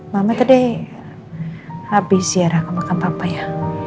mama tadi habis siar akan makan papa ya